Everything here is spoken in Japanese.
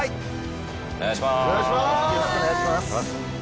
お願いします。